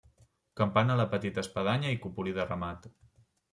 Campana a la petita espadanya i cupulí de remat.